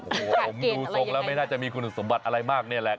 โอ้โหผมดูทรงแล้วไม่น่าจะมีคุณสมบัติอะไรมากนี่แหละ